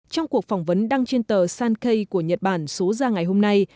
trong cuộc phỏng vấn đăng trên tờ sanke của nhật bản số ra ngày hôm nay